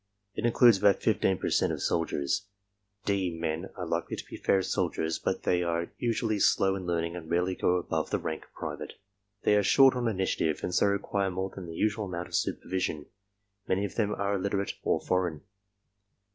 It includes about fifteen per cenrv. of soldiers. "D'' men are likely to be fair soldiers, but they are usually slow in learning and rarely go above the rank of private. They are short on initiative and so require more than the usual amount of supervision. Many of them are illiterate/^ or foreign.